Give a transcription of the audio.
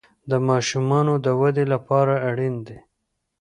د ماشومانو د ودې لپاره اړین دي.